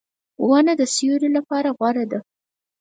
• ونه د سیوری لپاره غوره ده.